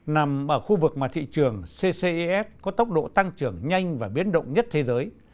nằm ở khu vực mà thị trường ccis có tốc độ tăng trưởng nhanh và biến động nhất thế giới